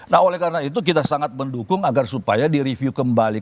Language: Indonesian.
nah oleh karena itu kita sangat mendukung agar supaya direview kembali